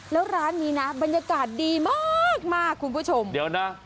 แล้วร้านนี้นะบรรยากาศดีมากคุณผู้ชมเดี๋ยวนะ